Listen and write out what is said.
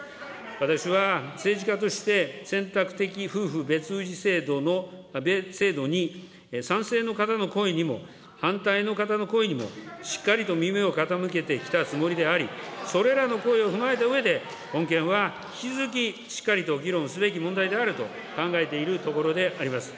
私は政治家として選択的夫婦別氏制度に賛成の方の声にも反対の方の声にも、しっかりと耳を傾けてきたつもりであり、それらの声を踏まえたうえで、本件は引き続きしっかりと議論すべき問題であると考えているところであります。